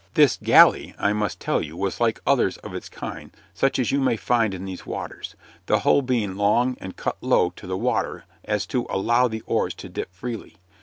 This galley, I must tell you, was like others of its kind such as you may find in these waters, the hull being long and cut low to the water so as to allow the oars to dip freely.